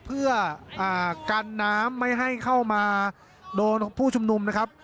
เพื่อกันน้ำไม่ให้เข้ามาโดนผู้ชุมนุมนะครับ